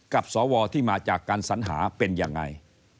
กับสเดวัลที่มาจากการสัญหาเป็นยังไง